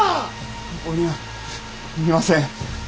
ここにはいません。